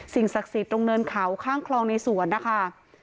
ศักดิ์สิทธิ์ตรงเนินเขาข้างคลองในสวนนะคะ